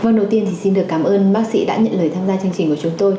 vâng đầu tiên thì xin được cảm ơn bác sĩ đã nhận lời tham gia chương trình của chúng tôi